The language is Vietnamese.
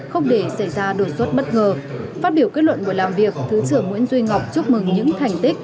không để xảy ra đột xuất bất ngờ phát biểu kết luận buổi làm việc thứ trưởng nguyễn duy ngọc chúc mừng những thành tích